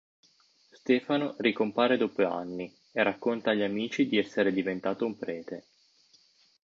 Stefano ricompare dopo anni e racconta agli amici di essere diventato un prete.